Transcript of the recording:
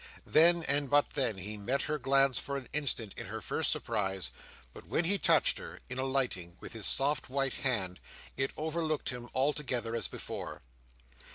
Then, and but then, he met her glance for an instant in her first surprise; but when he touched her, in alighting, with his soft white hand, it overlooked him altogether as before.